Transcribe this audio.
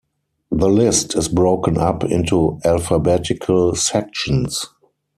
The list is broken up into alphabetical sections.